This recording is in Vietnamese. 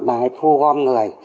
bà ấy thu gom người